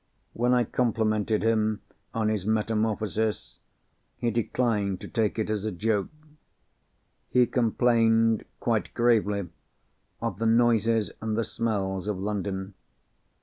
When I complimented him on his Metamorphosis, he declined to take it as a joke. He complained, quite gravely, of the noises and the smells of London.